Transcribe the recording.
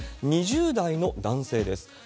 ２０代の男性です。